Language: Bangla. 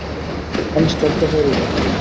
আমি স্তব্ধ হয়ে রইলুম।